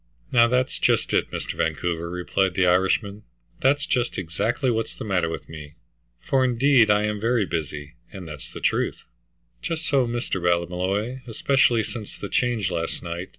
"Now, that's just it, Mr. Vancouver," replied the Irishman. "That's just exactly what's the matter with me, for indeed I am very busy, and that's the truth." "Just so, Mr. Ballymolloy. Especially since the change last night.